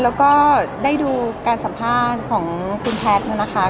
แล้วก็ได้ดูการสัมภาษณ์ของคุณแพทย์นะคะ